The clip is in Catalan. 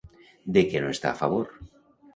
De què no està a favor?